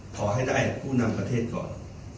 ขอให้ได้ผู้นำประเทศก่อน